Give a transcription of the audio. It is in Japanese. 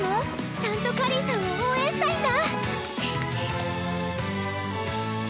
ちゃんと果林さんを応援したいんだ！